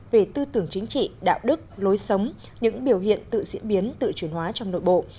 về tư tưởng chính trị đạo đức lối sống những biểu hiện tự diễn biến tự chuyển hóa trong nội bộ